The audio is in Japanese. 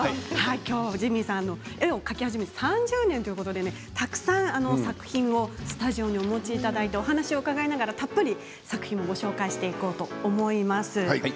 きょうはジミー大西さん絵を描き始めて３０年ということでたくさんの作品をスタジオにお持ちいただいてお話を伺いながらたっぷりと作品をご紹介していこうと思います。